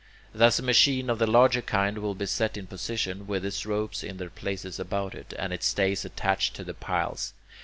Thus, a machine of the larger kind will be set in position, with its ropes in their places about it, and its stays attached to the piles.